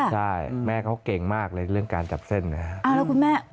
ใช่แม่เขาเก่งมากเลยเรื่องการจับเส้นนะครับ